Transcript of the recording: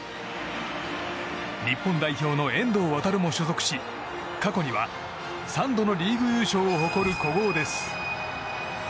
日本代表の遠藤航も所属し過去には３度のリーグ優勝を誇る古豪です。